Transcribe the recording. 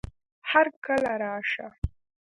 هرکله راشه